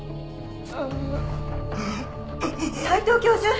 斎藤教授！？